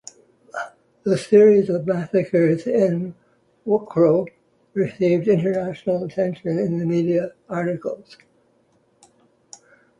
The series of massacres in Wukro received international attention in media articles.